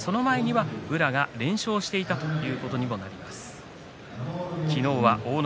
ですからその前には宇良が連勝していたということにもなります。